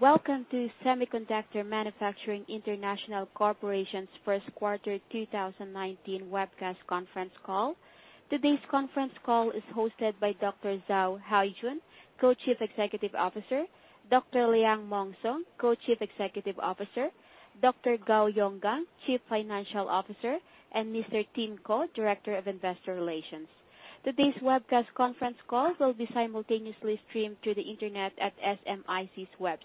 Welcome to Semiconductor Manufacturing International Corporation's first quarter 2019 webcast conference call. Today's conference call is hosted by Dr. Zhao Haijun, Co-Chief Executive Officer, Dr. Liang Meng Song, Co-Chief Executive Officer, Dr. Gao Yonggang, Chief Financial Officer, and Mr. Tim Kuo, Director of Investor Relations. Today's webcast conference call will be simultaneously streamed to the internet at smic.com.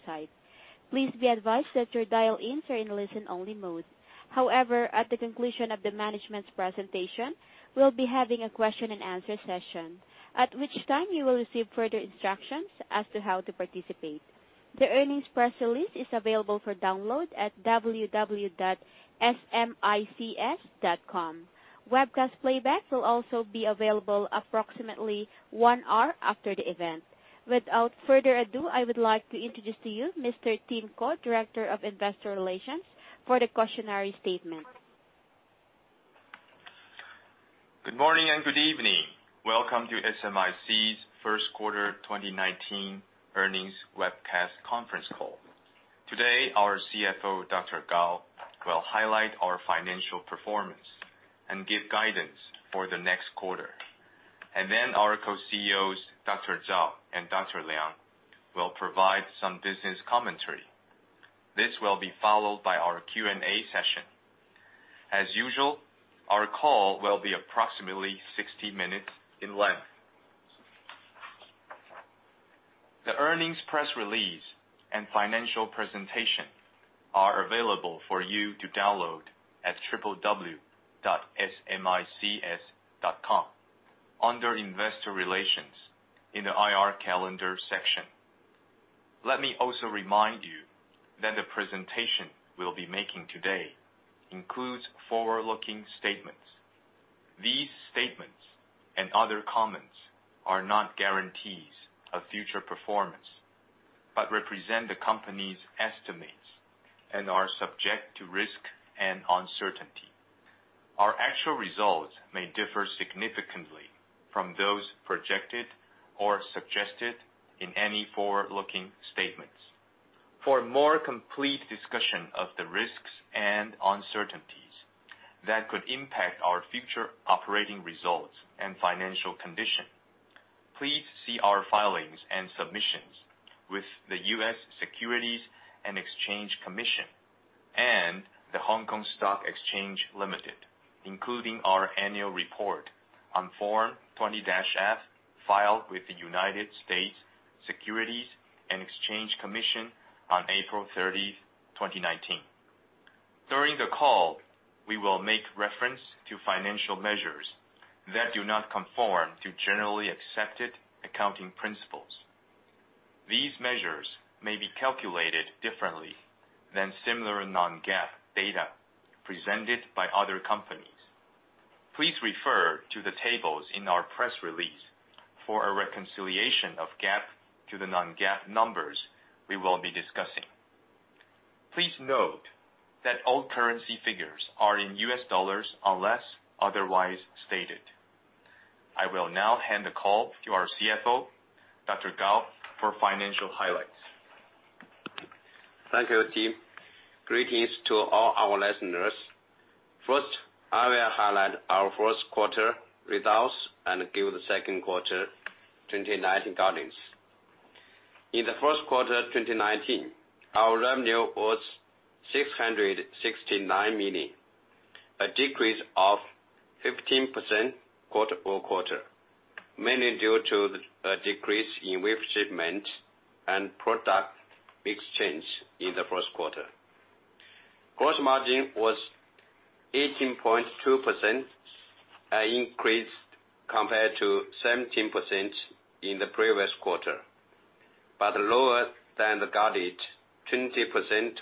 Please be advised that your dial-ins are in listen-only mode. However, at the conclusion of the management's presentation, we will be having a question and answer session, at which time you will receive further instructions as to how to participate. The earnings press release is available for download at www.smic.com. Webcast playback will also be available approximately one hour after the event. Without further ado, I would like to introduce to you Mr. Tim Kuo, Director of Investor Relations, for the cautionary statement. Good morning and good evening. Welcome to SMIC's first quarter 2019 earnings webcast conference call. Today, our CFO, Dr. Gao, will highlight our financial performance and give guidance for the next quarter. Then our Co-CEOs, Dr. Zhao and Dr. Liang, will provide some business commentary. This will be followed by our Q&A session. As usual, our call will be approximately 60 minutes in length. The earnings press release and financial presentation are available for you to download at www.smic.com under Investor Relations in the IR Calendar section. Let me also remind you that the presentation we will be making today includes forward-looking statements. These statements and other comments are not guarantees of future performance, but represent the company's estimates and are subject to risk and uncertainty. Our actual results may differ significantly from those projected or suggested in any forward-looking statements. For a more complete discussion of the risks and uncertainties that could impact our future operating results and financial condition, please see our filings and submissions with the U.S. Securities and Exchange Commission and The Stock Exchange of Hong Kong Limited, including our annual report on Form 20-F filed with the U.S. Securities and Exchange Commission on April 30, 2019. During the call, we will make reference to financial measures that do not conform to Generally Accepted Accounting Principles. These measures may be calculated differently than similar non-GAAP data presented by other companies. Please refer to the tables in our press release for a reconciliation of GAAP to the non-GAAP numbers we will be discussing. Please note that all currency figures are in U.S. dollars, unless otherwise stated. I will now hand the call to our CFO, Dr. Gao, for financial highlights. Thank you, Tim. Greetings to all our listeners. First, I will highlight our first quarter results and give the second quarter 2019 guidance. In the first quarter 2019, our revenue was $669 million, a decrease of 15% quarter-over-quarter, mainly due to a decrease in wafer shipment and product exchange in the first quarter. Gross margin was 18.2%, an increase compared to 17% in the previous quarter, but lower than the guided 20%-22%,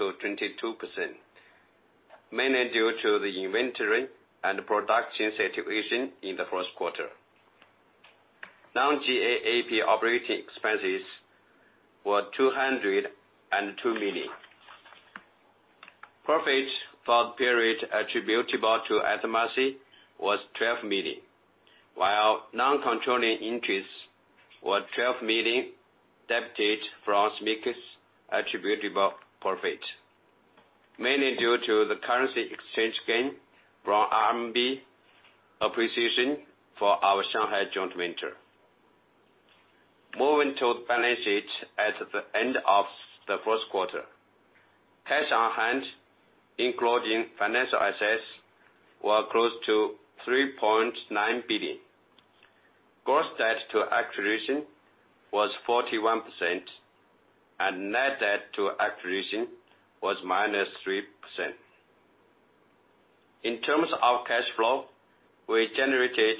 mainly due to the inventory and production situation in the first quarter. Non-GAAP operating expenses were $202 million. Profit for the period attributable to SMIC was $12 million, while non-controlling interest was $12 million deducted from SMIC's attributable profit, mainly due to the currency exchange gain from RMB appreciation for our Shanghai joint venture. Moving to the balances at the end of the first quarter. Cash on hand, including financial assets, were close to $3.9 billion. Gross debt to equity ratio was 41%, and net debt to equity ratio was -3%. In terms of cash flow, we generated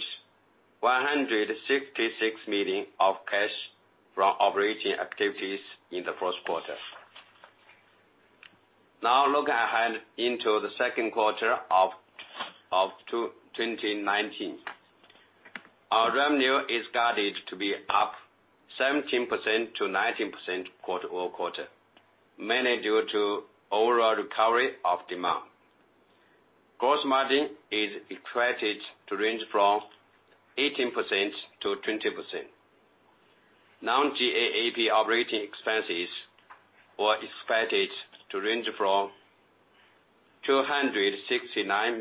$166 million of cash from operating activities in the first quarter. Looking ahead into the second quarter of 2019. Our revenue is guided to be up 17%-19% quarter-over-quarter, mainly due to overall recovery of demand. Gross margin is expected to range from 18%-20%. non-GAAP operating expenses are expected to range from $269 million-$273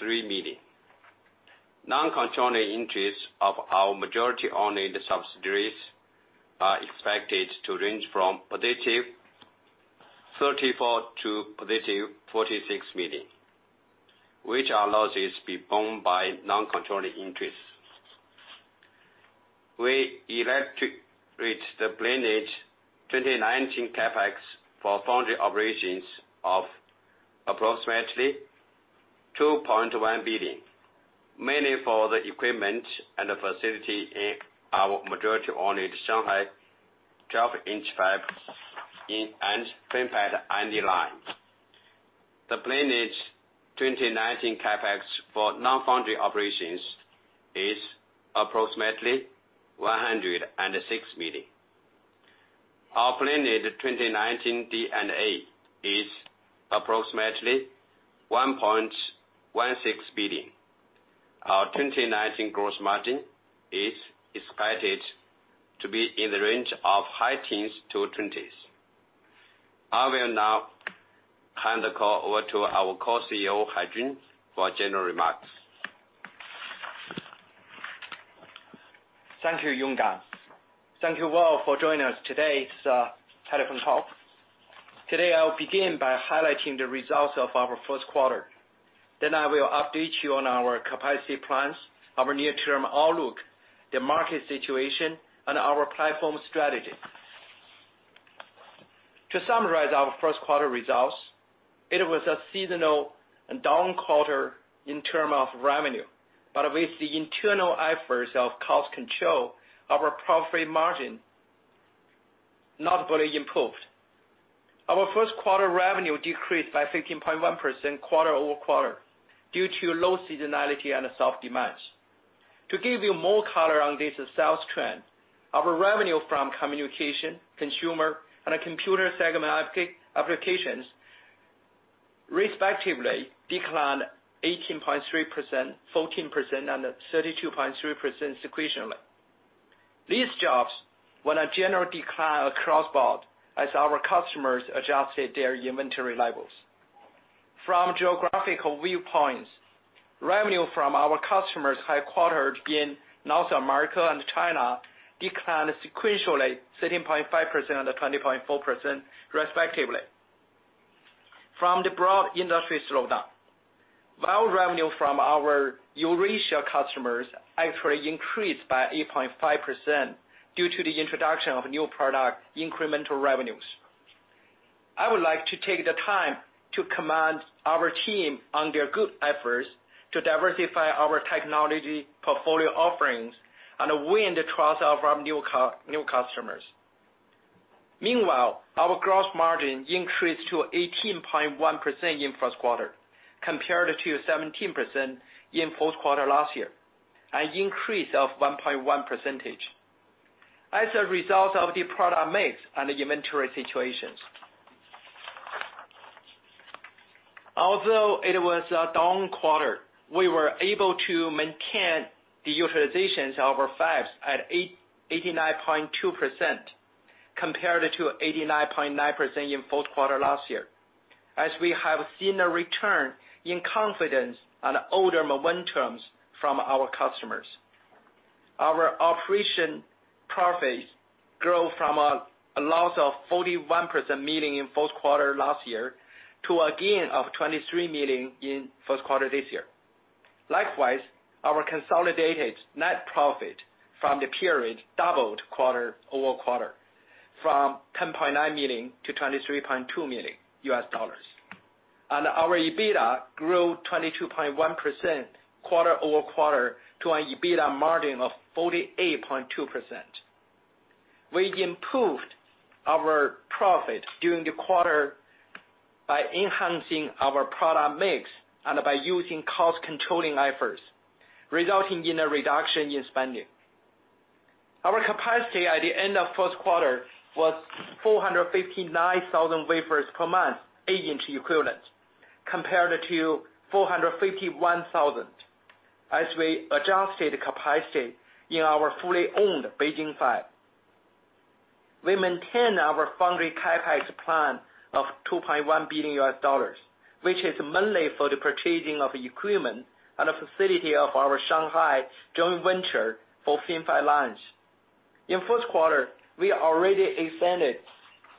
million. Non-controlling interests of our majority-owned subsidiaries are expected to range from positive $34 to positive $46 million, which are losses borne by non-controlling interests. We expect the planned 2019 CapEx for foundry operations of approximately $2.1 billion, mainly for the equipment and the facility in our majority-owned Shanghai 12-inch Fab and FinFET R&D line. The planned 2019 CapEx for non-foundry operations is approximately $106 million. Our planned 2019 D&A is approximately $1.16 billion. Our 2019 gross margin is expected to be in the range of high teens to twenties. I will now hand the call over to our Co-CEO, Haijun, for general remarks. Thank you, Yonggang. Thank you all for joining us today. It's a telephone call. Today, I'll begin by highlighting the results of our first quarter. I will update you on our capacity plans, our near-term outlook, the market situation, and our platform strategy. To summarize our first quarter results, it was a seasonal and down quarter in terms of revenue. With the internal efforts of cost control, our profit margin notably improved. Our first quarter revenue decreased by 15.1% quarter-over-quarter due to low seasonality and soft demands. To give you more color on this sales trend, our revenue from communication, consumer, and computer segment applications respectively declined 18.3%, 14% and 32.3% sequentially. These drops were a general decline across the board as our customers adjusted their inventory levels. From geographical viewpoints, revenue from our customers headquartered in North America and China declined sequentially 13.5% and 20.4%, respectively. From the broad industry slowdown, while revenue from our Eurasia customers actually increased by 8.5% due to the introduction of new product incremental revenues. I would like to take the time to commend our team on their good efforts to diversify our technology portfolio offerings and win the trust of our new customers. Meanwhile, our gross margin increased to 18.1% in first quarter compared to 17% in first quarter last year, an increase of 1.1 percentage. As a result of the product mix and the inventory situations. Although it was a down quarter, we were able to maintain the utilizations of our fabs at 89.2%, compared to 89.9% in first quarter last year. As we have seen a return in confidence on order momentums from our customers. Our operation profits grow from a loss of $41 million in first quarter last year to a gain of $23 million in first quarter this year. Likewise, our consolidated net profit from the period doubled quarter-over-quarter from $10.9 million to $23.2 million. Our EBITDA grew 22.1% quarter-over-quarter to an EBITDA margin of 48.2%. We improved our profit during the quarter by enhancing our product mix and by using cost-controlling efforts, resulting in a reduction in spending. Our capacity at the end of first quarter was 459,000 wafers per month, eight-inch equivalent, compared to 451,000 as we adjusted capacity in our fully owned Beijing Fab. We maintain our foundry CapEx plan of $2.1 billion, which is mainly for the purchasing of equipment at a facility of our Shanghai joint venture for FinFET lines. In first quarter, we already expended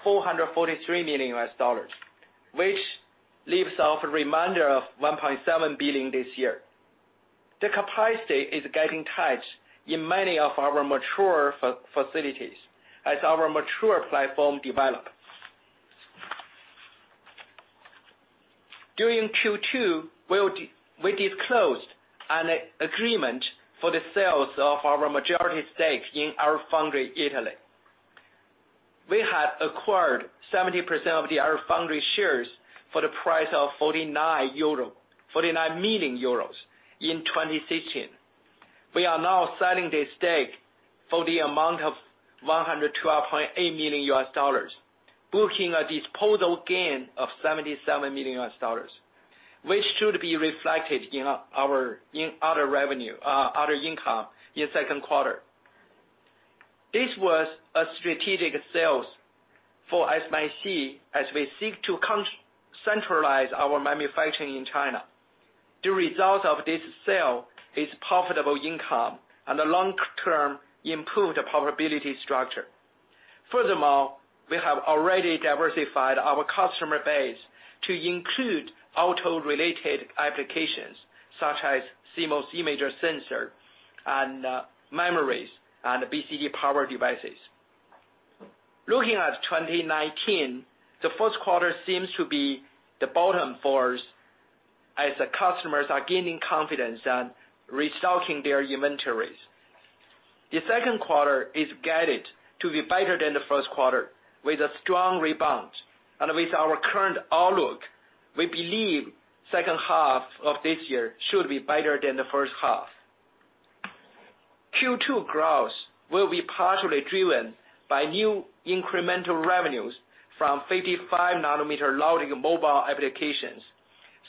$443 million, which leaves off a remainder of $1.7 billion this year. The capacity is getting tight in many of our mature facilities as our mature platform develops. During Q2, we disclosed an agreement for the sales of our majority stake in LFoundry. We had acquired 70% of the LFoundry shares for the price of €49 million in 2016. We are now selling this stake for the amount of $112.8 million, booking a disposal gain of $77 million, which should be reflected in other income in second quarter. This was a strategic sales for SMIC as we seek to centralize our manufacturing in China. The result of this sale is profitable income and the long-term improved profitability structure. Furthermore, we have already diversified our customer base to include auto-related applications, such as CMOS image sensor and memories and BCD power devices. Looking at 2019, the first quarter seems to be the bottom for us as the customers are gaining confidence and restocking their inventories. The second quarter is guided to be better than the first quarter with a strong rebound. With our current outlook, we believe second half of this year should be better than the first half. Q2 growth will be partially driven by new incremental revenues from 55 nanometer loading mobile applications,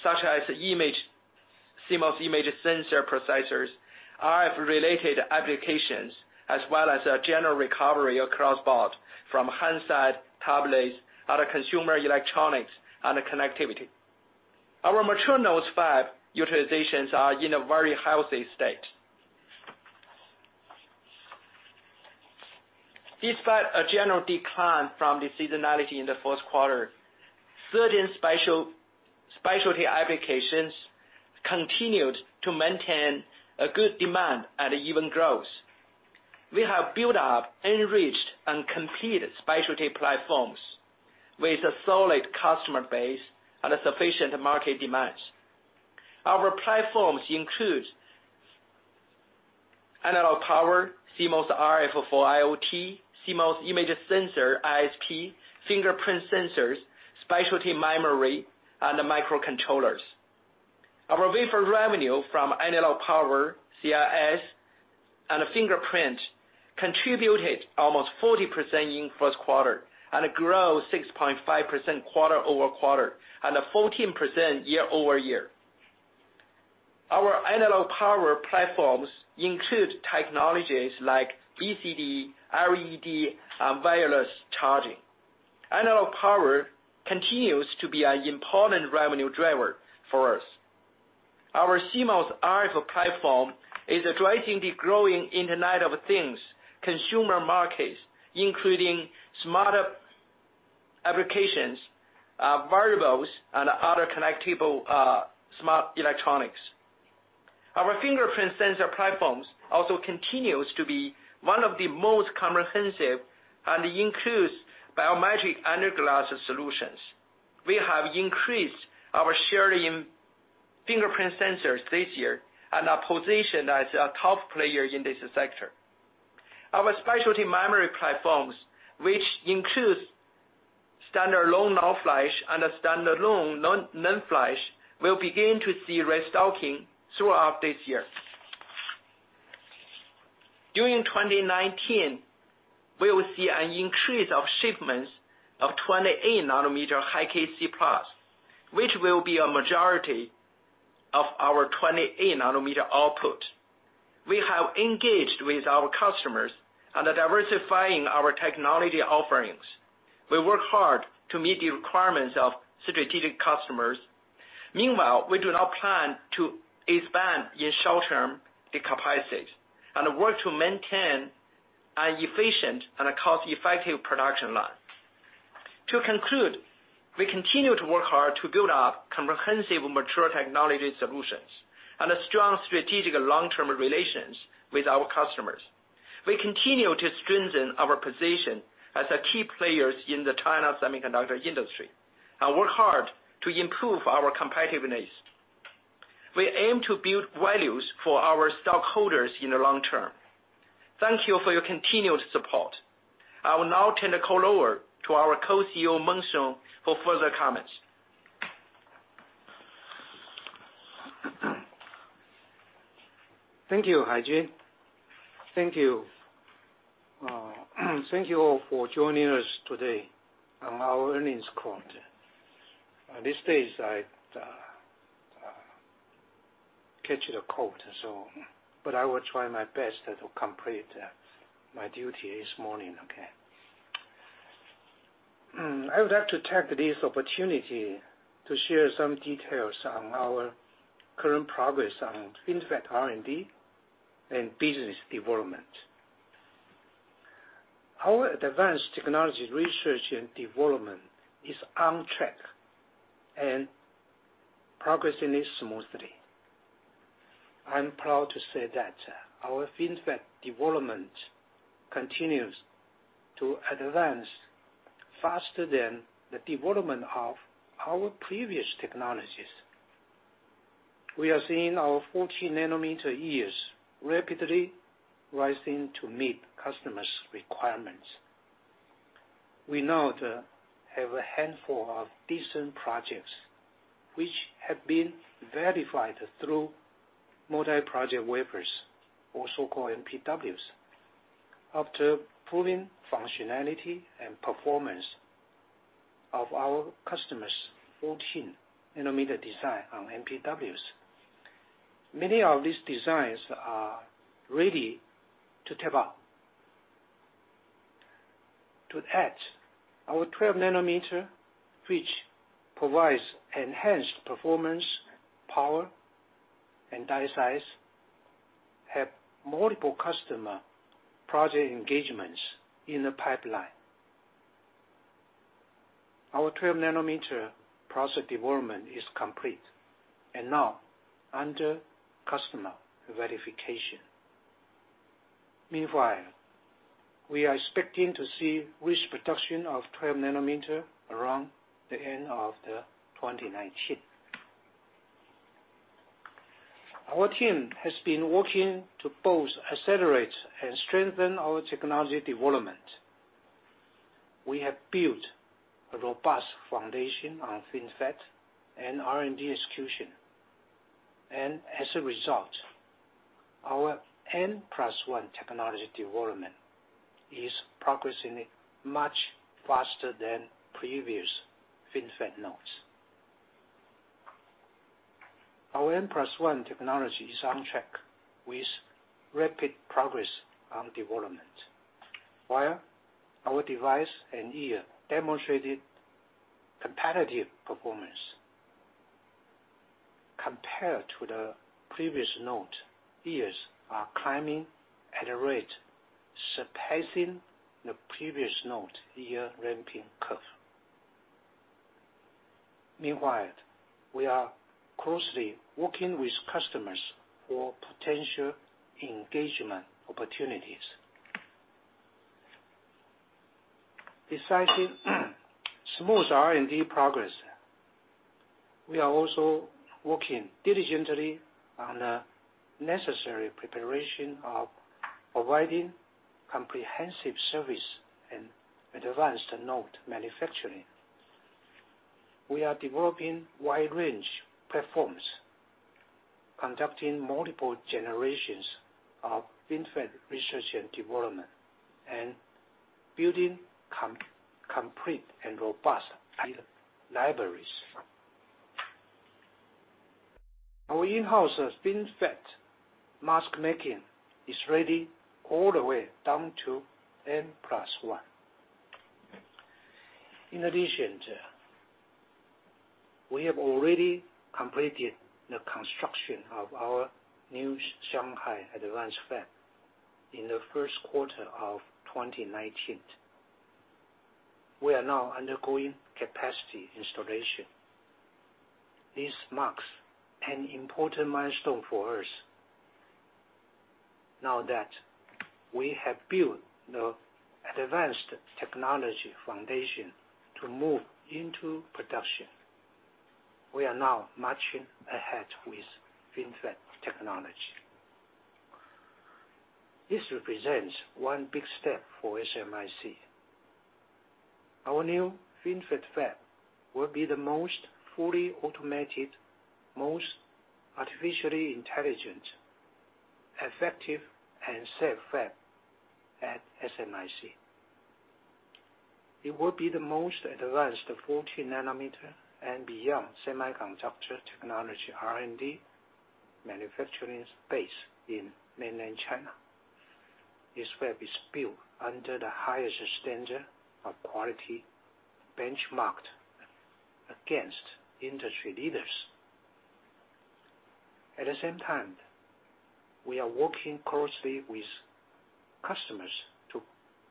such as CMOS image sensor processors, RF-related applications, as well as a general recovery across board from handset tablets, other consumer electronics, and connectivity. Our mature nodes fab utilizations are in a very healthy state. Despite a general decline from the seasonality in the first quarter, certain specialty applications continued to maintain a good demand and even growth. We have built up, enriched, and completed specialty platforms with a solid customer base and sufficient market demands. Our platforms include analog power, CMOS RF for IoT, CMOS image sensor ISP, fingerprint sensors, specialty memory, and microcontrollers. Our wafer revenue from analog power, CIS, and fingerprint contributed almost 40% in first quarter and grow 6.5% quarter-over-quarter and 14% year-over-year. Our analog power platforms include technologies like BCD, RED, and wireless charging. Analog power continues to be an important revenue driver for us. Our CMOS RF platform is addressing the growing Internet of Things consumer markets, including smarter applications, wearables, and other connectable smart electronics. Our fingerprint sensor platforms also continues to be one of the most comprehensive and includes biometric under-glass solutions. We have increased our share in fingerprint sensors this year and are positioned as a top player in this sector. Our specialty memory platforms, which includes standard lone NAND flash will begin to see restocking throughout this year. During 2019, we will see an increase of shipments of 28 nanometer HKC+, which will be a majority of our 28 nanometer output. We have engaged with our customers on diversifying our technology offerings. We work hard to meet the requirements of strategic customers. Meanwhile, we do not plan to expand in short-term the capacity and work to maintain an efficient and a cost-effective production line. To conclude, we continue to work hard to build up comprehensive mature technology solutions and a strong strategic long-term relations with our customers. We continue to strengthen our position as a key player in the China semiconductor industry and work hard to improve our competitiveness. We aim to build values for our stockholders in the long term. Thank you for your continued support. I will now turn the call over to our Co-CEO, Meng Song, for further comments. Thank you, Haijun. Thank you. Thank you all for joining us today on our earnings call. These days, I catch the cold. I will try my best to complete my duty this morning, okay? I would like to take this opportunity to share some details on our current progress on FinFET R&D and business development. Our advanced technology research and development is on track and progressing smoothly. I'm proud to say that our FinFET development continues to advance faster than the development of our previous technologies. We are seeing our 14 nanometer yields rapidly rising to meet customers' requirements. We now have a handful of decent projects which have been verified through multi-project wafers, also called MPWs. After proving functionality and performance of our customers' 14 nanometer design on MPWs. Many of these designs are ready to tape out. To add our 12 nanometer, which provides enhanced performance, power, and die size, have multiple customer project engagements in the pipeline. Our 12 nanometer process development is complete and now under customer verification. Meanwhile, we are expecting to see risk production of 12 nanometer around the end of 2019. Our team has been working to both accelerate and strengthen our technology development. We have built a robust foundation on FinFET and R&D execution. As a result, our N+1 technology development is progressing much faster than previous FinFET nodes. Our N+1 technology is on track with rapid progress on development, while our device and yield demonstrated competitive performance. Compared to the previous node, yields are climbing at a rate surpassing the previous node yield ramping curve. Meanwhile, we are closely working with customers for potential engagement opportunities. Besides the smooth R&D progress, we are also working diligently on the necessary preparation of providing comprehensive service and advanced node manufacturing. We are developing wide range platforms, conducting multiple generations of FinFET research and development, and building complete and robust IP libraries. Our in-house FinFET mask making is ready all the way down to N+1. In addition, we have already completed the construction of our new Shanghai advanced fab in the first quarter of 2019. We are now undergoing capacity installation. This marks an important milestone for us. Now that we have built the advanced technology foundation to move into production, we are now marching ahead with FinFET technology. This represents one big step for SMIC. Our new FinFET fab will be the most fully automated, most artificially intelligent, effective, and safe fab at SMIC. It will be the most advanced 14 nanometer and beyond semiconductor technology R&D manufacturing space in mainland China. This fab is built under the highest standard of quality, benchmarked against industry leaders. At the same time, we are working closely with customers to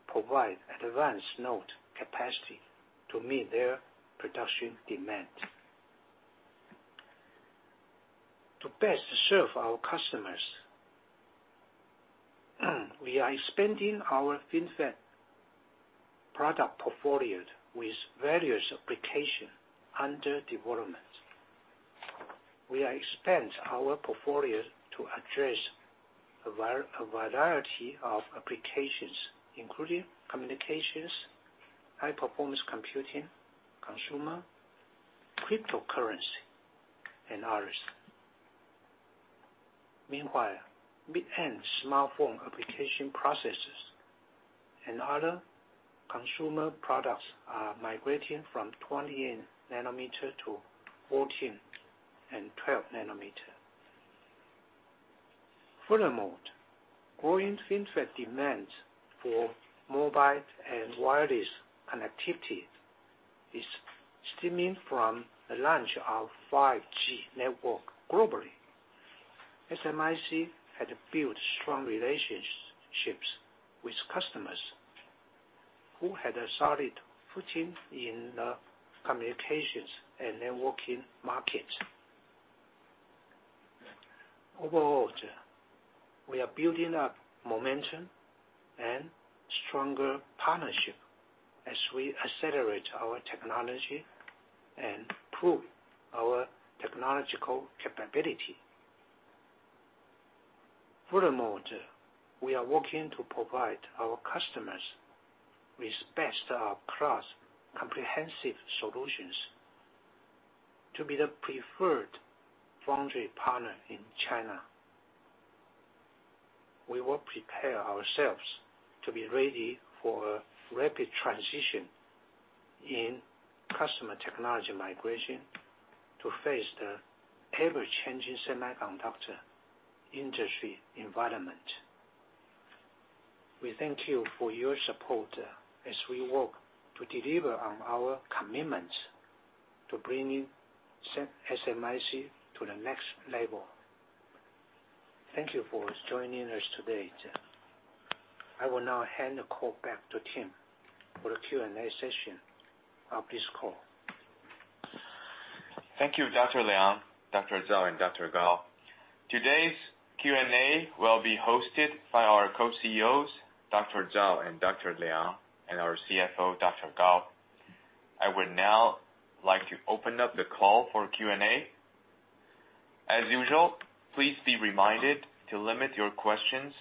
provide advanced node capacity to meet their production demand. To best serve our customers, we are expanding our FinFET product portfolio with various application under development. We expand our portfolio to address a variety of applications, including communications, high performance computing, consumer, cryptocurrency, and others. Meanwhile, mid-end smartphone application processors and other consumer products are migrating from 28 nanometer to 14 and 12 nanometer. Growing FinFET demands for mobile and wireless connectivity is stemming from the launch of 5G network globally. SMIC had built strong relationships with customers who had a solid footing in the communications and networking markets. Overall, we are building up momentum and stronger partnership as we accelerate our technology and prove our technological capability. We are working to provide our customers with best-in-class comprehensive solutions to be the preferred foundry partner in China. We will prepare ourselves to be ready for a rapid transition in customer technology migration to face the ever-changing semiconductor industry environment. We thank you for your support as we work to deliver on our commitments to bringing SMIC to the next level. Thank you for joining us today. I will now hand the call back to Tim for the Q&A session of this call. Thank you, Dr. Liang, Dr. Zhao, and Dr. Gao. Today's Q&A will be hosted by our Co-CEOs, Dr. Zhao and Dr. Liang, and our CFO, Dr. Gao. I would now like to open up the call for Q&A. As usual, please be reminded to limit your questions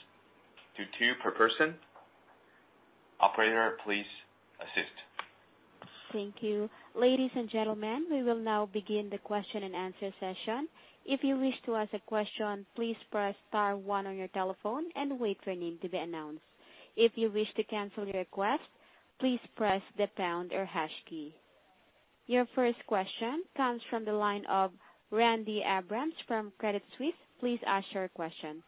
to two per person. Operator, please assist. Thank you. Ladies and gentlemen, we will now begin the question and answer session. If you wish to ask a question, please press star one on your telephone and wait for your name to be announced. If you wish to cancel your request, please press the pound or hash key. Your first question comes from the line of Randy Abrams from Credit Suisse. Please ask your question.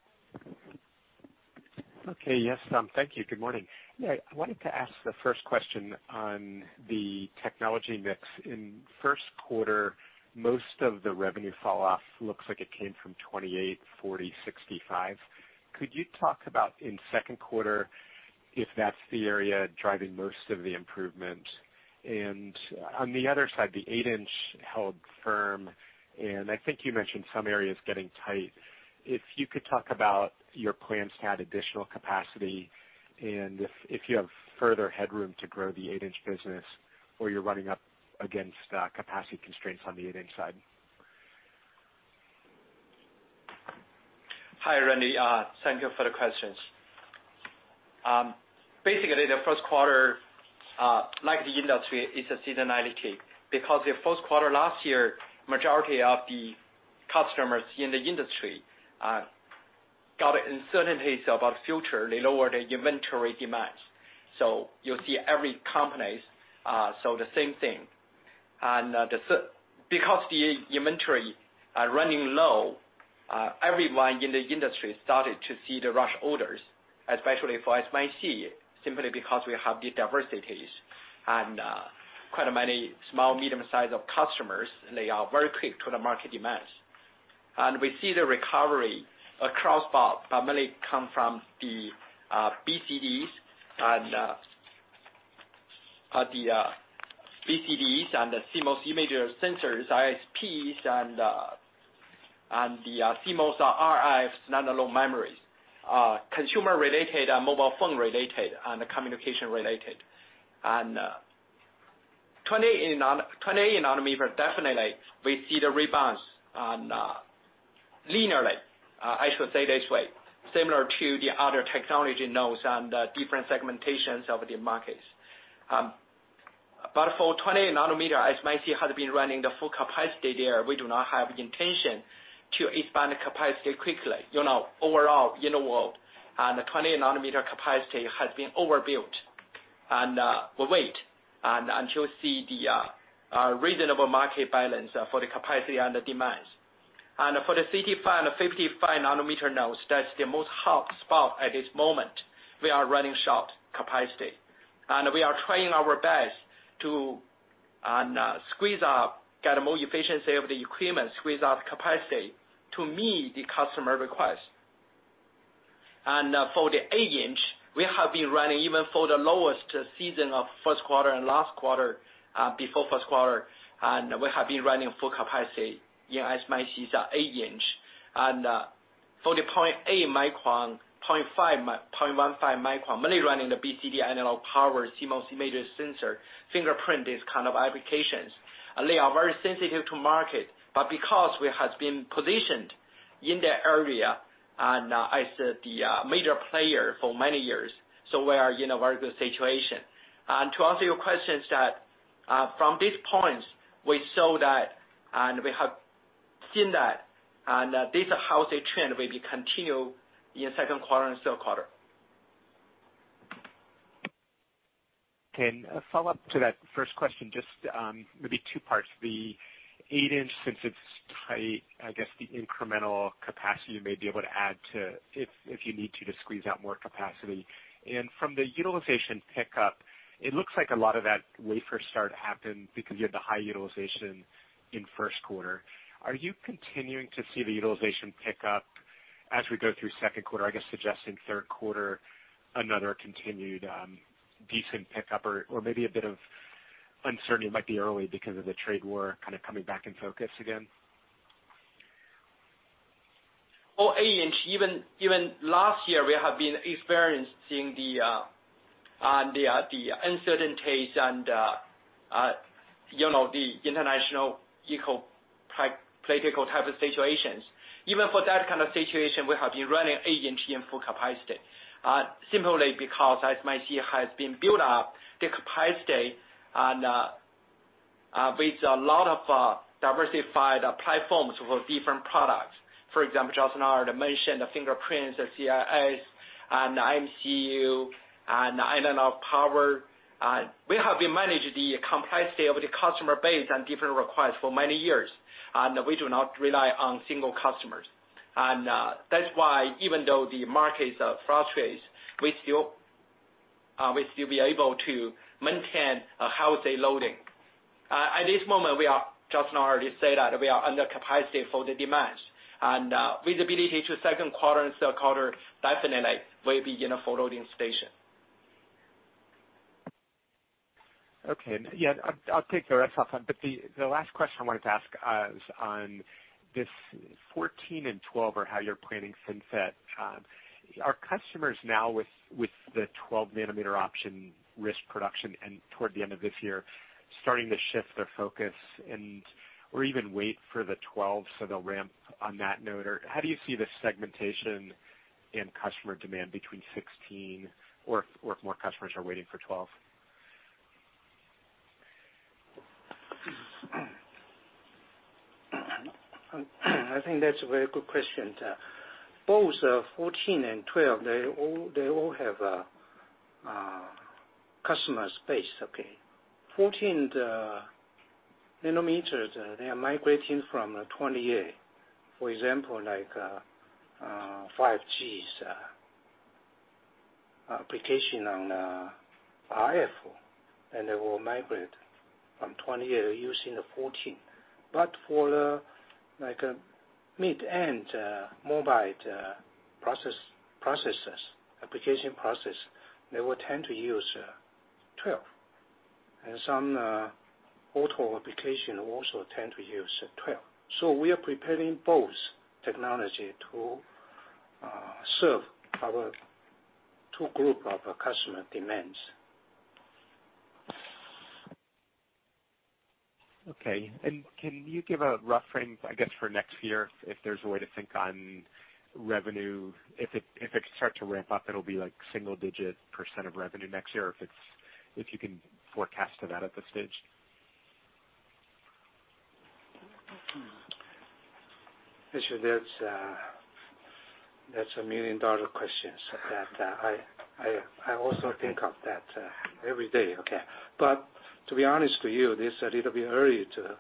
Okay. Yes, thank you. Good morning. I wanted to ask the first question on the technology mix. In the first quarter, most of the revenue falloff looks like it came from 28, 40, 65. Could you talk about in the second quarter if that's the area driving most of the improvement? On the other side, the eight-inch held firm, and I think you mentioned some areas getting tight. If you could talk about your plans to add additional capacity, and if you have further headroom to grow the eight-inch business, or you're running up against capacity constraints on the eight-inch side. Hi, Randy. Thank you for the questions. Basically, the first quarter, like the industry, is a seasonality because the first quarter last year, the majority of the customers in the industry got uncertainties about the future. They lowered their inventory demands. You'll see every company saw the same thing. Because the inventory are running low, everyone in the industry started to see the rush orders, especially for SMIC, simply because we have the diversities and quite many small, medium size of customers, and they are very quick to the market demands. We see the recovery across bulk primarily come from the BCDs and the CMOS image sensors, ISPs, and the CMOS RF, NAND and ROM memories, consumer-related, mobile phone related, and communication related. 20 nanometer, definitely we see the rebounds linearly, I should say this way, similar to the other technology nodes and the different segmentations of the markets. For 20 nanometer, SMIC has been running the full capacity there. We do not have intention to expand the capacity quickly. Overall, in the world, the 20 nanometer capacity has been overbuilt. We wait until we see the reasonable market balance for the capacity and the demands. For the 45 and 55 nanometer nodes, that's the most hotspot at this moment. We are running short on capacity, and we are trying our best to squeeze out, get more efficiency of the equipment, squeeze out capacity to meet the customer requests. For the eight-inch, we have been running even for the lowest season of first quarter and last quarter, before first quarter, we have been running full capacity in SMIC's eight-inch. For the 0.18 micron, 0.15 micron, mainly running the BCD analog power, CMOS image sensor, fingerprint, these kind of applications. They are very sensitive to market. Because we have been positioned in that area as the major player for many years, so we are in a very good situation. To answer your questions that from these points, we saw that and we have seen that and this is how the trend will be continued in the second quarter and third quarter. Okay. A follow-up to that first question, just maybe two parts. The eight-inch, since it's tight, I guess the incremental capacity you may be able to add to if you need to squeeze out more capacity. From the utilization pickup, it looks like a lot of that wafer start happened because you had the high utilization in the first quarter. Are you continuing to see the utilization pick up as we go through the second quarter? I guess suggesting third quarter, another continued decent pickup or maybe a bit of uncertainty. It might be early because of the trade war kind of coming back in focus again. For eight-inch, even last year, we have been experiencing the uncertainties and the international geopolitical type of situations. Even for that kind of situation, we have been running eight-inch in full capacity. Simply because as my CEO has been built up, the capacity and, with a lot of diversified platforms for different products, for example, Justin already mentioned the fingerprints, the CIS, and MCU, and analog power. We have managed the complexity of the customer base and different requests for many years, and we do not rely on single customers. That's why even though the markets fluctuates, we still be able to maintain a healthy loading. At this moment, Justin already said that we are under capacity for the demands. Visibility to second quarter and third quarter definitely will be in a full loading station. Okay. Yeah, I'll take the rest off. The last question I wanted to ask is on this 14 and 12 or how you're planning FinFET. Are customers now with the 12 nanometer option risk production and toward the end of this year, starting to shift their focus and or even wait for the 12 so they'll ramp on that note? How do you see the segmentation in customer demand between 16 or if more customers are waiting for 12? I think that's a very good question. Both 14 and 12, they all have a customer space. Okay. 14 nanometers, they are migrating from 28. For example, like 5G's application on RF, and they will migrate from 28 using the 14. For the mid-end mobile application process, they will tend to use 12. Some auto application also tend to use 12. We are preparing both technology to serve our two group of customer demands. Okay. Can you give a rough frame, I guess, for next year, if there's a way to think on revenue, if it could start to ramp up, it'll be like single digit % of revenue next year, if you can forecast to that at this stage. Richard, that's a million-dollar question that I also think of that every day, okay. To be honest to you, it's a little bit early to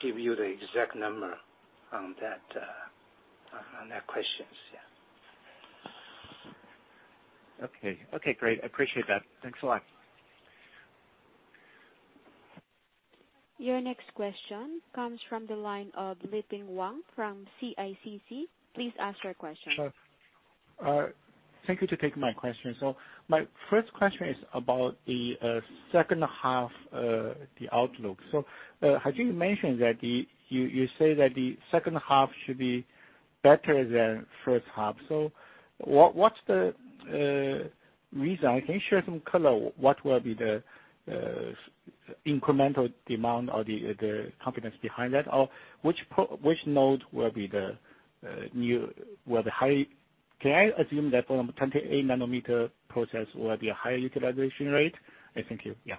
give you the exact number on that question. Yeah. Okay. Okay, great. I appreciate that. Thanks a lot. Your next question comes from the line of Liping Wang from CICC. Please ask your question. Thank you to take my question. My first question is about the second half, the outlook. Haijun mentioned that you say that the second half should be better than first half. What's the reason? Can you share some color, what will be the incremental demand or the confidence behind that? Can I assume that from 28 nanometer process will be a higher utilization rate? Thank you. Yeah.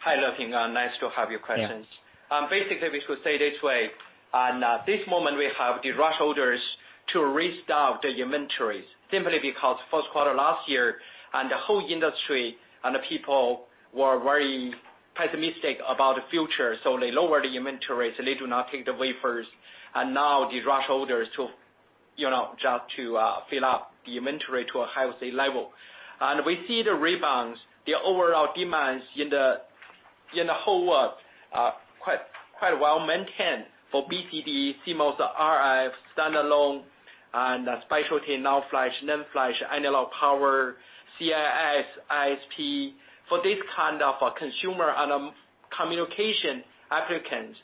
Hi, Liping. Nice to have your questions. Yeah. Basically, we should say this way. At this moment we have the rush orders to restock the inventories simply because first quarter last year and the whole industry and the people were very pessimistic about the future. They lowered the inventories, they do not take the wafers. Now the rush orders to just to fill up the inventory to a healthy level. We see the rebounds, the overall demands in the whole world are quite well maintained for BCD, CMOS RF, standalone, and specialty NAND flash, analog power, CIS, ISP. For this kind of consumer and communication applications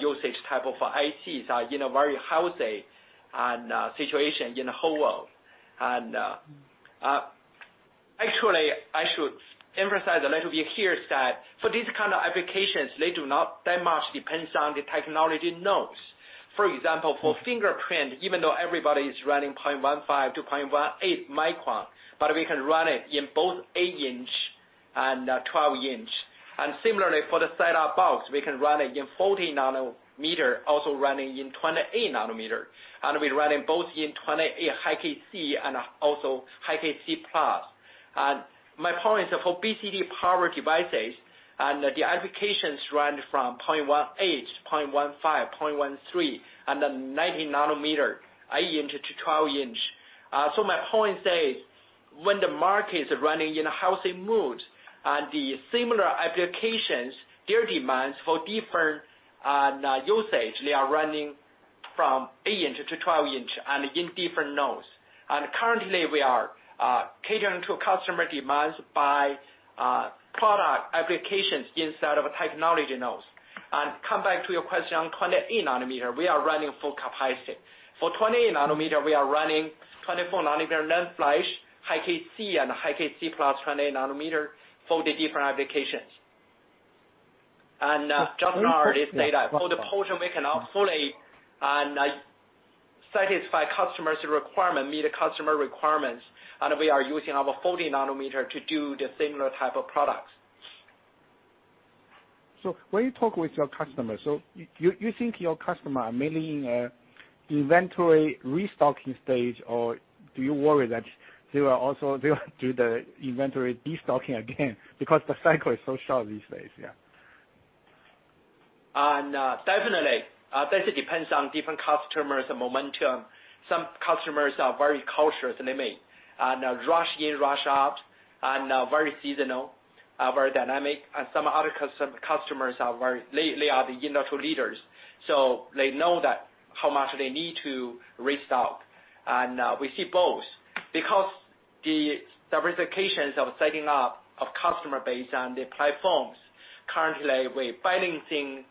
usage type of ICs are very healthy situation in the whole world. Actually, I should emphasize a little bit here that for these kind of applications, they do not that much depends on the technology nodes. For example, for fingerprint, even though everybody is running 0.15 to 0.18 micron, but we can run it in both 8 inch and 12 inch. Similarly for the sign up box, we can run it in 40 nanometer, also running in 28 nanometer, and we run it both in 28 HKC and also HKC+. My point is for BCD power devices and the applications run from 0.18, 0.15, 0.13 and the 90 nanometer, 8 inch to 12 inch. My point is, when the market is running in a healthy mood and the similar applications, their demands for different usage, they are running From 8 inch to 12 inch, and in different nodes. Currently, we are catering to customer demands by product applications instead of technology nodes. Come back to your question on 28 nanometer, we are running full capacity. For 28 nanometer, we are running 24 nanometer NAND flash, HKC and HKC+ 28 nanometer for the different applications. John already said that for the portion we cannot fully satisfy customers' requirement, meet the customer requirements, and we are using our 40 nanometer to do the similar type of products. When you talk with your customers, so you think your customer are mainly in a inventory restocking stage, or do you worry that they will also do the inventory destocking again? Because the cycle is so short these days, yeah. Definitely. It depends on different customers and momentum. Some customers are very cautious, and they may rush in, rush out and are very seasonal, very dynamic. Some other customers, they are the industrial leaders, so they know how much they need to restock. We see both. Because the diversifications of setting up of customer base and the platforms, currently, we're balancing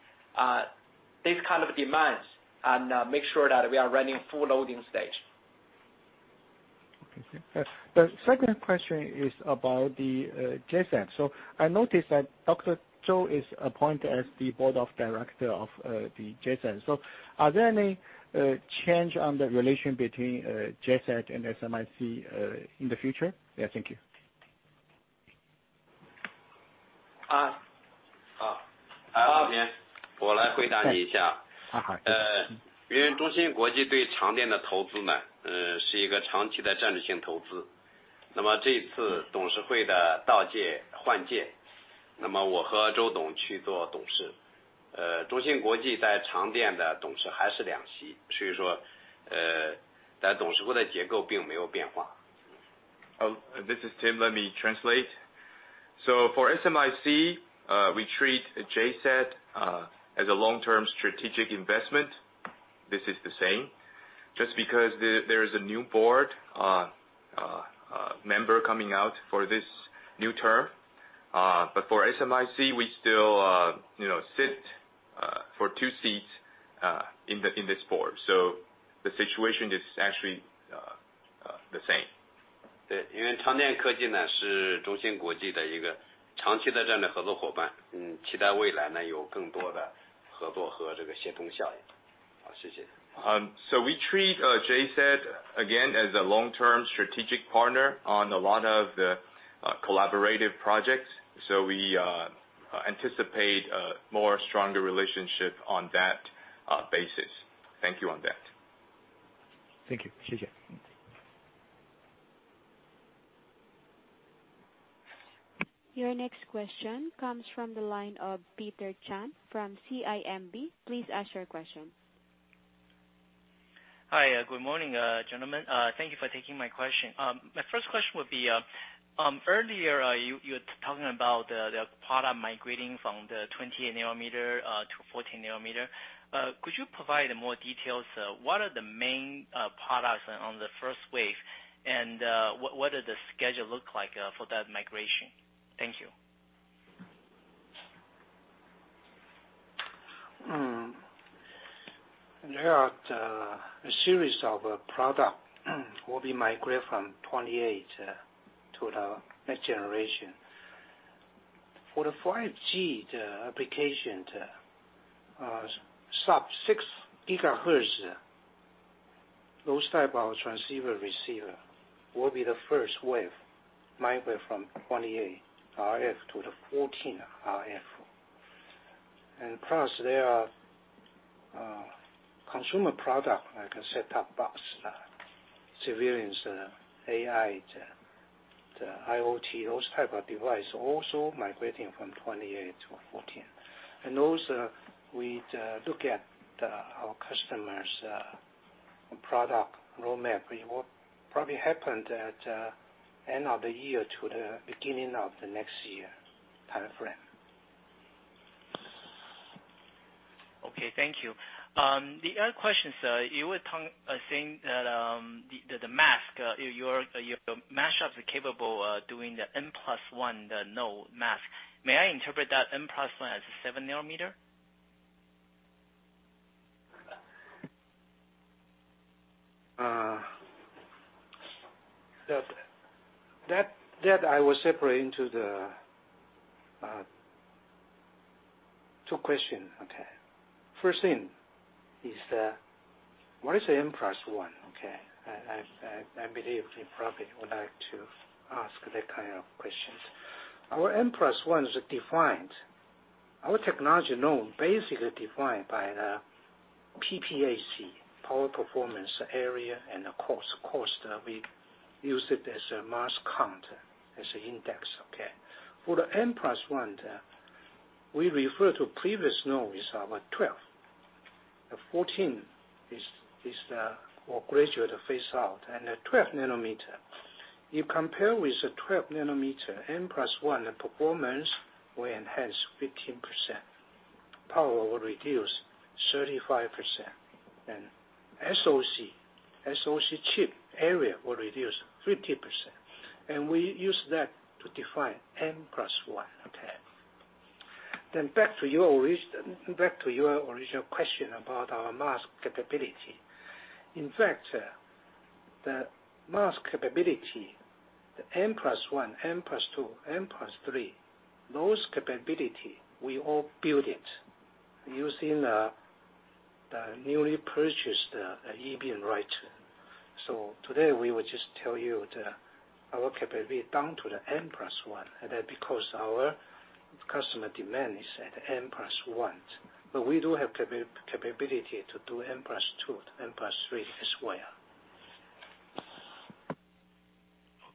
these kind of demands and make sure that we are running full loading stage. Okay. The second question is about the JCET. I noticed that Dr. Zhou is appointed as the board of director of the JCET. Are there any change on the relation between JCET and SMIC in the future? Yeah, thank you. This is Tim. Let me translate. For SMIC, we treat JCET as a long-term strategic investment. This is the same. Just because there is a new board member coming out for this new term. For SMIC, we still sit for two seats in this board. The situation is actually the same. We treat JCET, again, as a long-term strategic partner on a lot of the collaborative projects. We anticipate a more stronger relationship on that basis. Thank you on that. Thank you. Your next question comes from the line of Peter Chan from CIMB. Please ask your question. Hi. Good morning, gentlemen. Thank you for taking my question. My first question would be, earlier, you were talking about the product migrating from the 28 nanometer to 14 nanometer. Could you provide more details? What are the main products on the first wave, and what does the schedule look like for that migration? Thank you. There are a series of product will be migrate from 28 to the next generation. For the 5G applications, sub-6 gigahertz, those type of transceiver/receiver will be the first wave migrate from 28 RF to the 14 RF. Plus, there are consumer product, like a set-top box, surveillance, AI, the IoT, those type of device also migrating from 28 to 14. Those, we look at our customer's product roadmap. It will probably happen at end of the year to the beginning of the next year time frame. Okay, thank you. The other question, sir, you were saying that the mask, your mask shop is capable doing the N+1 node mask. May I interpret that N+1 as seven nanometer? That I will separate into two question, okay? First thing is what is N+1, okay? I believe you probably would like to ask that kind of questions. Our N+1 is defined. Our technology node basically defined by the PPAC, power, performance, area, and cost. Cost, we use it as a mask count, as a index, okay? For the N+1, we refer to previous node is our 12. The 14 is the gradual phase-out, and the 12 nanometer. If compared with a 12 nanometer N+1, the performance will enhance 15%, power will reduce 45%, and SOC chip area will reduce 50%. We use that to define N+1. Okay. Back to your original question about our mask capability. In fact, the mask capability, the N+1, N+2, N+3, those capability, we all build it using the newly purchased e-beam writer. Today, we will just tell you our capability down to the N+1, and that because our customer demand is at N+1. We do have capability to do N+2 to N+3 as well.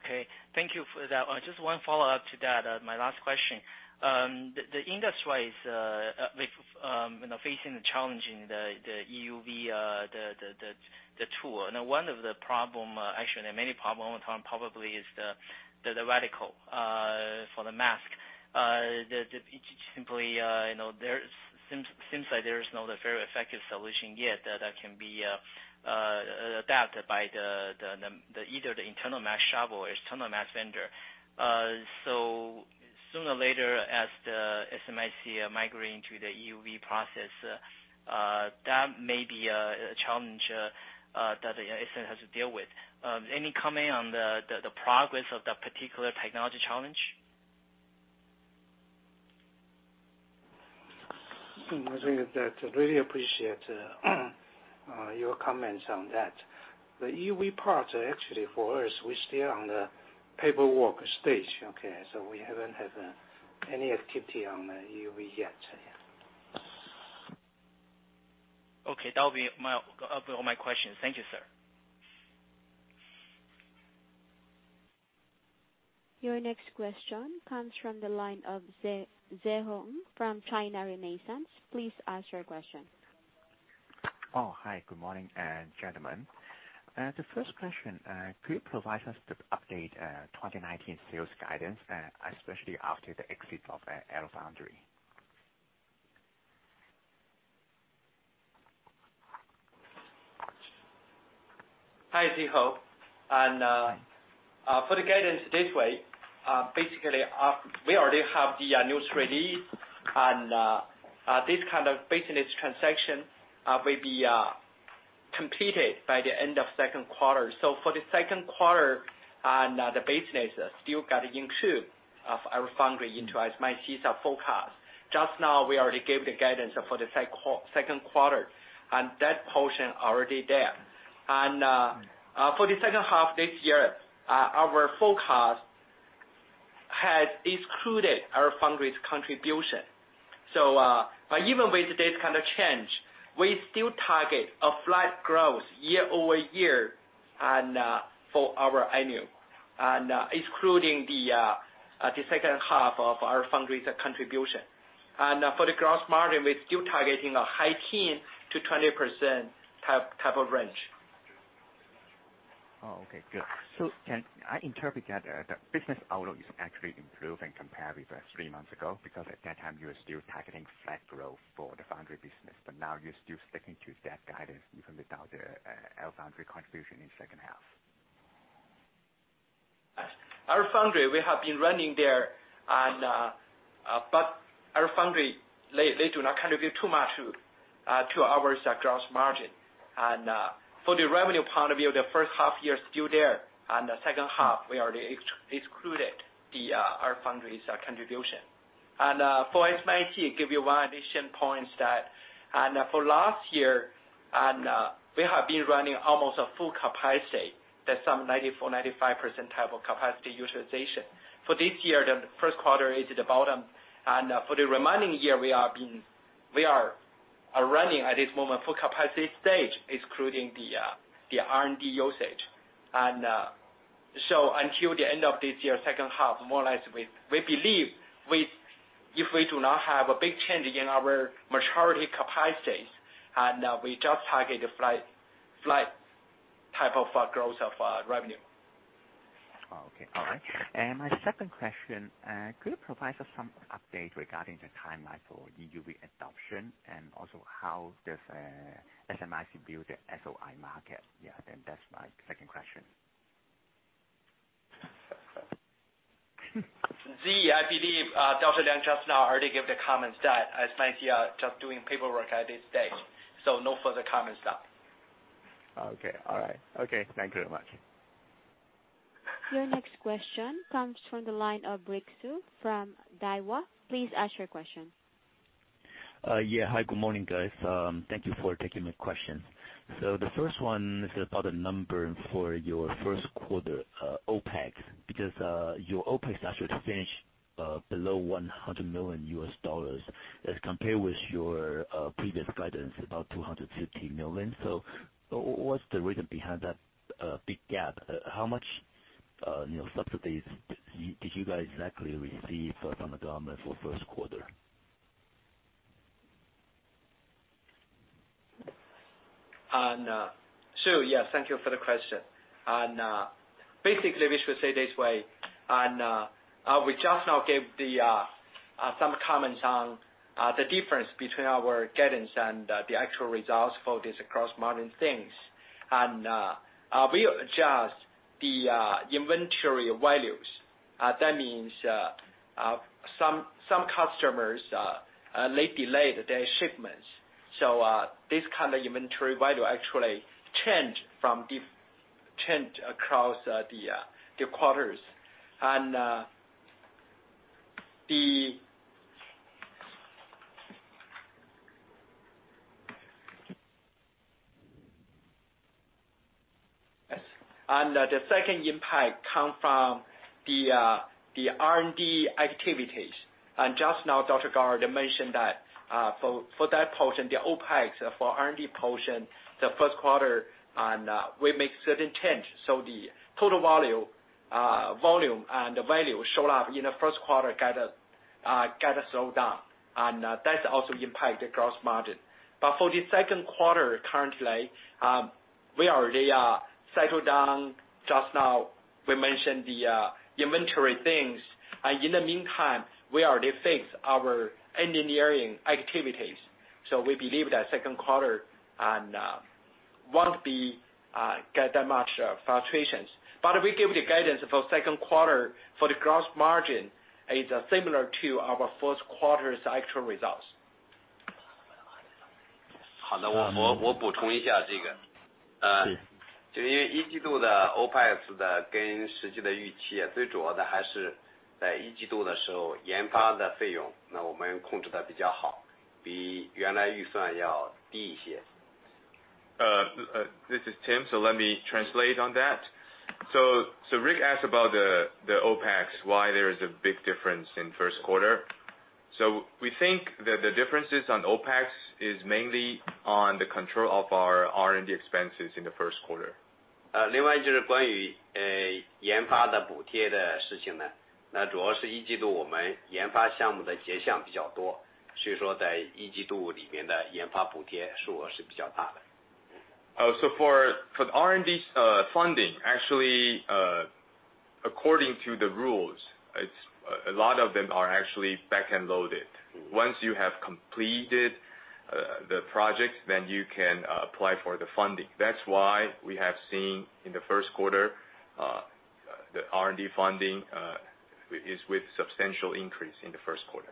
Okay. Thank you for that. Just one follow-up to that, my last question. The industry is facing the challenge in the EUV, the tool. One of the problem, actually many problem probably is the radical for the mask. It seems like there is no very effective solution yet that can be adapted by either the internal mask shop or external mask vendor. Sooner or later as the SMIC migrating to the EUV process, that may be a challenge that SMIC has to deal with. Any comment on the progress of that particular technology challenge? Really appreciate your comments on that. The EUV part, actually for us, we're still on the paperwork stage. Okay? We haven't had any activity on EUV yet. Okay. That will be all my questions. Thank you, sir. Your next question comes from the line of Zhe Hong from China Renaissance. Please ask your question. Hi. Good morning, gentlemen. The first question, could you provide us the update 2019 sales guidance, especially after the exit of our foundry? Hi, Zhe Hong. For the guidance this way, basically, we already have the news release, and this kind of business transaction will be completed by the end of second quarter. For the second quarter, and the business still got into our foundry into SMIC's forecast. Just now, we already gave the guidance for the second quarter, and that portion already there. For the second half this year, our forecast has excluded our foundry's contribution. Even with this kind of change, we still target a flat growth year-over-year for our annual, and excluding the second half of our foundry's contribution. For the gross margin, we're still targeting a high teen to 20% type of range. Oh, okay, good. Can I interpret that the business outlook is actually improving compared with three months ago? Because at that time, you're still targeting flat growth for the foundry business, but now you're still sticking to that guidance even without the foundry contribution in second half. Our foundry, we have been running there. Our foundry, they do not contribute too much to our gross margin. For the revenue point of view, the first half year is still there, and the second half, we already excluded our foundry's contribution. For SMIC, give you one addition points that, for last year, we have been running almost a full capacity. That's some 94, 95% type of capacity utilization. For this year, the first quarter is at the bottom. For the remaining year, we are running at this moment full capacity stage, excluding the R&D usage. Until the end of this year, second half, more or less, we believe if we do not have a big change in our maturity capacities, we just target a flat type of growth of revenue. Oh, okay. All right. My second question, could you provide us some update regarding the timeline for EUV adoption, also how does SMIC view the SOI market? Yeah, that's my second question. Zhe, I believe Dr. Liang just now already gave the comments that SMIC just doing paperwork at this stage. No further comments. Okay. All right. Okay. Thank you very much. Your next question comes from the line of Rick Su from Daiwa. Please ask your question. Yeah. Hi, good morning, guys. Thank you for taking my question. The first one is about the number for your first quarter OPEX, because your OPEX actually finished below $100 million compared with your previous guidance, about $250 million. What's the reason behind that big gap? How much subsidies did you guys exactly receive from the government for first quarter? Sure. Yes, thank you for the question. Basically, we should say this way, we just now gave some comments on the difference between our guidance and the actual results for this gross margin things. We adjust the inventory values. That means some customers, they delayed their shipments. This kind of inventory value actually change across the quarters. The second impact come from the R&D activities. Just now Dr. Gao mentioned that for that portion, the OPEX for R&D portion, the first quarter, we make certain change, the total volume and the value show up in the first quarter got slowed down, that also impact the gross margin. For the second quarter, currently, we already settled down. Just now we mentioned the inventory things, in the meantime, we already fixed our engineering activities. We believe that second quarter won't get that much fluctuations. We give the guidance for second quarter for the gross margin is similar to our first quarter's actual results. This is Tim. Let me translate on that. Rick asked about the OPEX, why there is a big difference in first quarter. We think that the differences on OPEX is mainly on the control of our R&D expenses in the first quarter. For the R&D funding, actually, according to the rules, a lot of them are actually back-end loaded. Once you have completed the project, you can apply for the funding. That's why we have seen in the first quarter, the R&D funding is with substantial increase in the first quarter.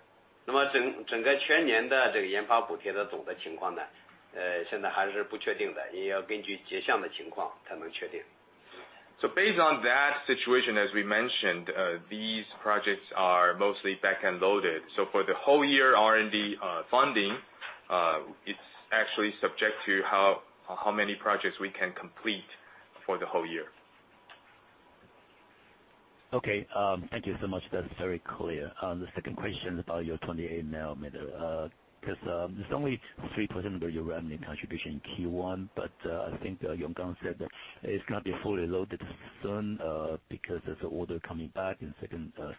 Based on that situation, as we mentioned, these projects are mostly back-end loaded. For the whole year R&D funding, it's actually subject to how many projects we can complete for the whole year. Okay. Thank you so much. That's very clear. The second question is about your 28 nanometer, because it's only 3% of your revenue contribution in Q1, but I think Yonggang said that it's going to be fully loaded soon, because there's an order coming back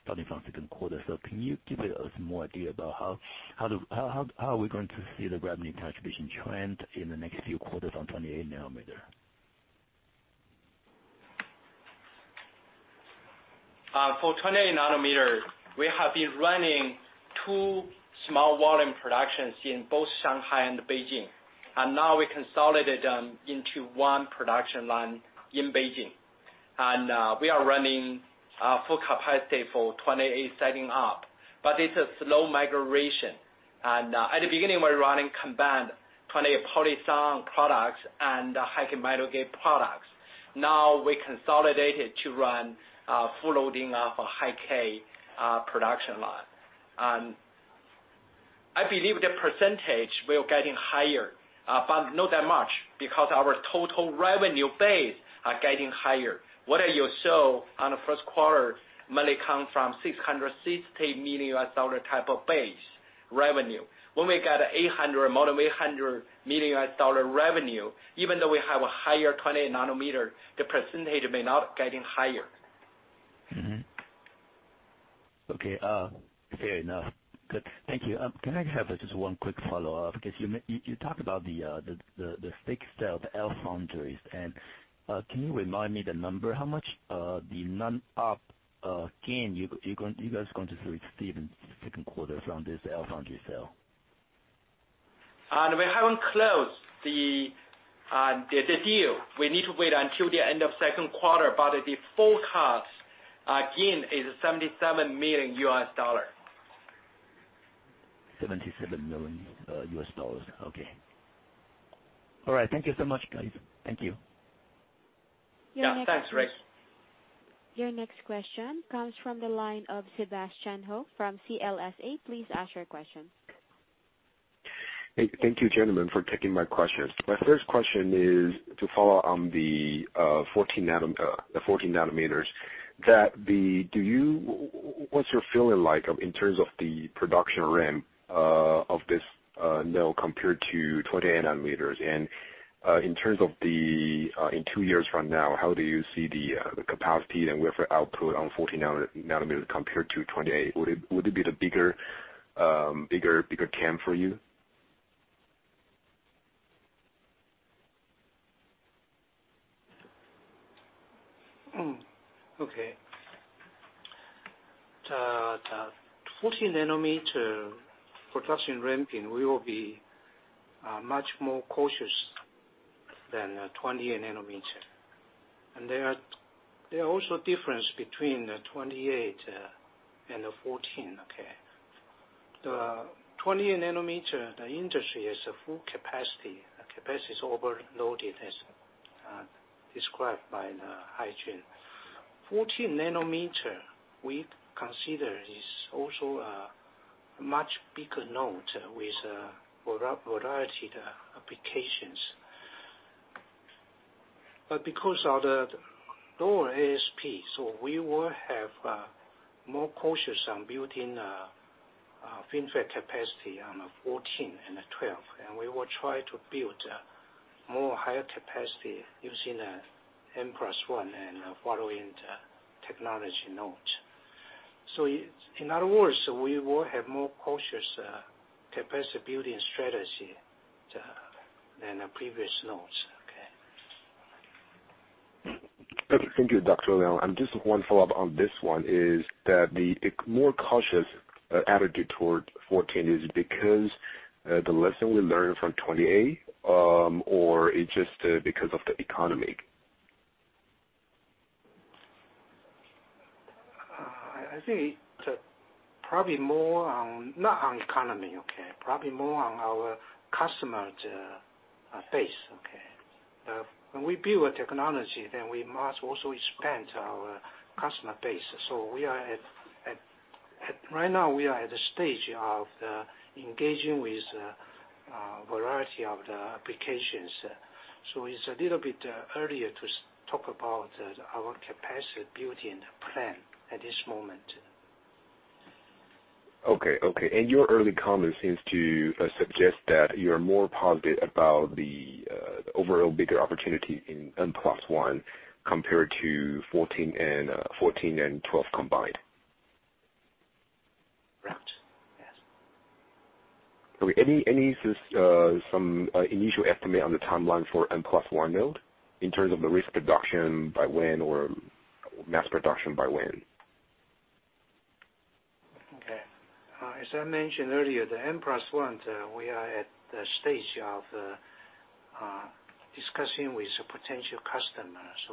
starting from second quarter. Can you give us more idea about how are we going to see the revenue contribution trend in the next few quarters on 28 nanometer? For 28 nanometer, we have been running two small volume productions in both Shanghai and Beijing. Now we consolidated them into one production line in Beijing. We are running full capacity for 28 setting up. It's a slow migration. At the beginning, we're running combined 28 polysilicon products and high products. Now we consolidated to run full loading of a High-K production line. I believe the percentage will getting higher, but not that much because our total revenue base are getting higher. What you saw on the first quarter mainly come from $660 million type of base revenue. When we get more than $800 million revenue, even though we have a higher 28 nanometer, the percentage may not getting higher. Okay. Fair enough. Good. Thank you. Can I have just one quick follow-up? You talked about the fixed sell of the LFoundry, can you remind me the number, how much the non-GAAP gain you guys going to receive in second quarter from this LFoundry sale? We haven't closed the deal. We need to wait until the end of second quarter, the forecast gain is $77 million. $77 million. Okay. All right. Thank you so much, guys. Thank you. Thanks, Rick. Your next question comes from the line of Sebastian Ho from CLSA. Please ask your question. Hey, thank you, gentlemen, for taking my questions. My first question is to follow on the 14 nanometers. What's your feeling like in terms of the production ramp of this node compared to 28 nanometers? In terms of in two years from now, how do you see the capacity and wafer output on 14 nanometers compared to 28? Would it be the bigger-Bigger cam for you? Okay. The 14 nanometer production ramping, we will be much more cautious than 28 nanometer. There are also difference between the 28 and the 14, okay? The 28 nanometer, the industry is at full capacity. The capacity is overloaded, as described by Haijun. 14 nanometer, we consider, is also a much bigger node with a variety of applications. Because of the lower ASP, we will have more cautious on building a FinFET capacity on a 14 and a 12, and we will try to build more higher capacity using a N+1 and following the technology node. In other words, we will have more cautious capacity building strategy than the previous nodes, okay? Thank you, Dr. Liang. Just one follow-up on this one is that the more cautious attitude toward 14 is because the lesson we learned from 28, or it just because of the economy? I think it's probably more on not on economy. Probably more on our customer base. When we build technology, then we must also expand our customer base. Right now, we are at the stage of engaging with a variety of the applications. It's a little bit earlier to talk about our capacity building plan at this moment. Okay. Your early comment seems to suggest that you're more positive about the overall bigger opportunity in N+1 compared to 14 and 12 combined. Right. Yes. Any initial estimate on the timeline for N+1 node in terms of the risk production by when or mass production by when? Okay. As I mentioned earlier, the N+1, we are at the stage of discussing with potential customers.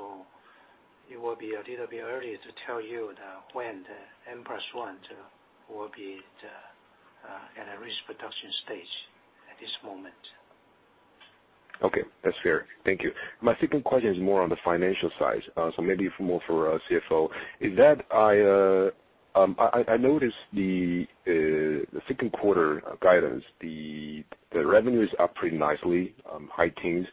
It will be a little bit early to tell you when the N+1 will be at a risk production stage at this moment. Okay. That's fair. Thank you. My second question is more on the financial side, so maybe more for our CFO. I noticed the second quarter guidance, the revenues are up pretty nicely, high teens,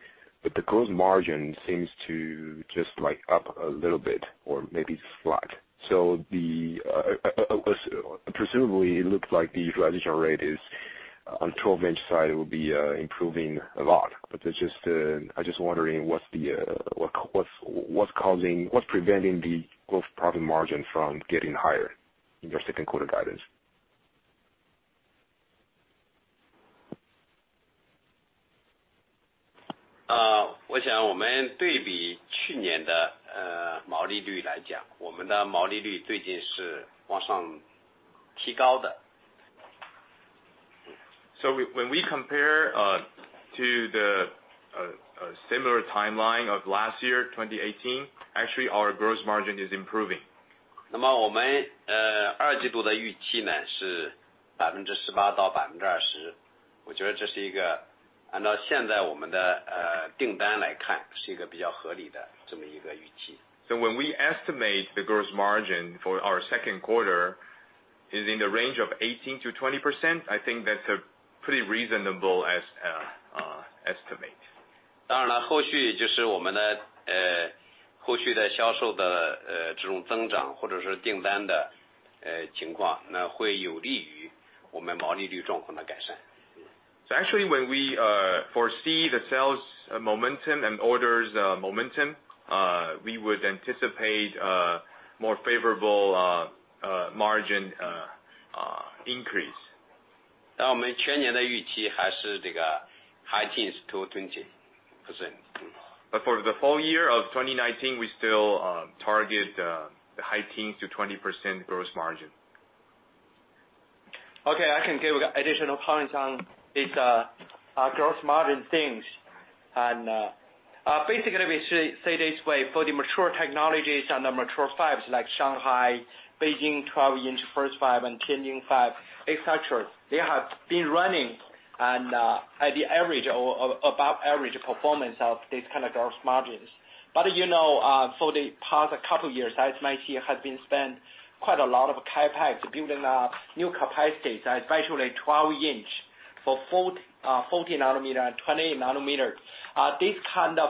but the gross margin seems to just up a little bit or maybe it's flat. Presumably, it looks like the utilization rate is on 12-inch side will be improving a lot. I just wondering what's preventing the gross profit margin from getting higher in your second quarter guidance. When we compare to the similar timeline of last year, 2018, actually our gross margin is improving. When we estimate the gross margin for our second quarter is in the range of 18%-20%, I think that's a pretty reasonable estimate. Actually, when we foresee the sales momentum and orders momentum, we would anticipate more favorable margin increase. For the full year of 2019, we still target the high teens to 20% gross margin. Okay, I can give additional comments on this gross margin things. Basically, we say this way, for the mature technologies and the mature fabs like Shanghai, Beijing 12-inch first fab and Tianjin fab, et cetera, they have been running at the average or above average performance of this kind of gross margins. For the past couple years, SMIC has been spend quite a lot of CapEx building up new capacities, especially 12-inch for 14 nanometer and 28 nanometer. This kind of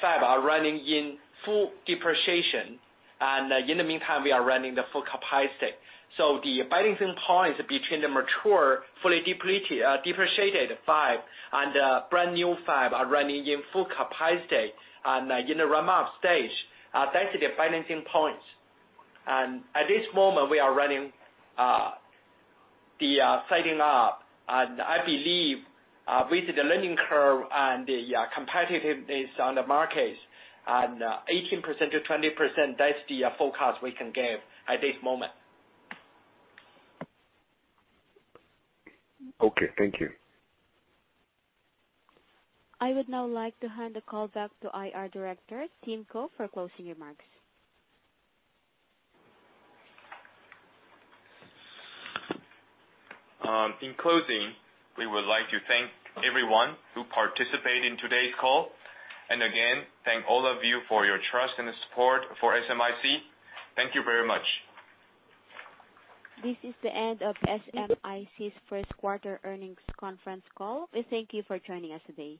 fab are running in full depreciation, and in the meantime, we are running the full capacity. The balancing point between the mature, fully depreciated fab and the brand new fab are running in full capacity and in the ramp-up stage. That is the balancing points. At this moment, we are running the setting up. I believe with the learning curve and the competitiveness on the markets, 18%-20%, that's the forecast we can give at this moment. Okay, thank you. I would now like to hand the call back to IR Director, Tim Kuo, for closing remarks. In closing, we would like to thank everyone who participated in today's call. Again, thank all of you for your trust and support for SMIC. Thank you very much. This is the end of SMIC's first quarter earnings conference call. We thank you for joining us today.